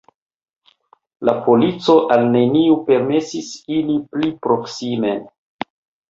La polico al neniu permesis iri pli proksimen.